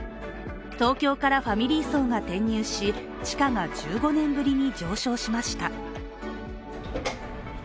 東京からファミリー層が転入し地価が１５年ぶりに上昇しました。